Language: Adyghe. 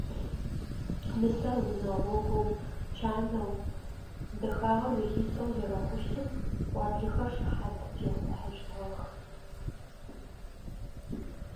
Нысэр унэгъогоу, чанэу, дэхагъэр зэхишӏэу зэрэхъущтым пӏуаблэхэр шыхьат техъухьэщтыгъэх.